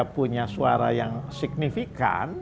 punya suara yang signifikan